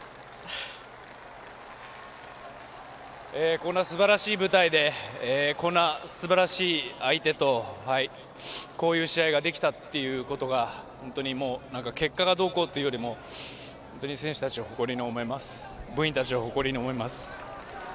こんなすばらしい舞台でこんなすばらしい相手とこういう試合ができたっていうことが結果がどうこうというよりも選手たちを誇りに思います部員たちを誇りに思います。